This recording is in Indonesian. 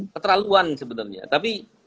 keterlaluan sebenarnya tapi